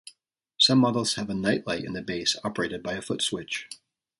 Some models have a night light in the base operated by a foot switch.